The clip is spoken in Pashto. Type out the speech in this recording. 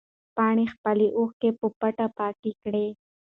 پاڼې خپلې اوښکې په پټه پاکې کړې.